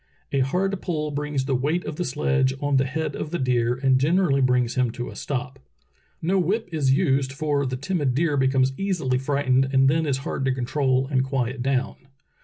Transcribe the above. A hard pull brings the weight of the sledge on the head of the deer and generally brings him to a stop. No whip is used, for the timid deer becomes easil}^ frightened and then is hard to control and quiet down.